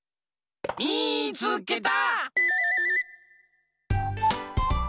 みいつけた！